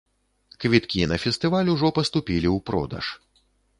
Квіткі на фестываль ужо паступілі ў продаж.